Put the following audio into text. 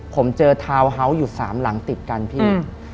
ผมเจอทาวน์เฮาส์อยู่๓หลังติดกันพี่